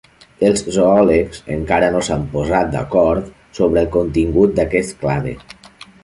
Els zoòlegs encara no s'han posat d'acord sobre el contingut d'aquest clade.